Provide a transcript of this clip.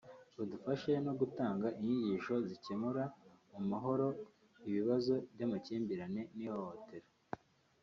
badufashe no gutanga inyigisho zikemura mu mahoro ibibazo by’amakimbirane n’ihohotera”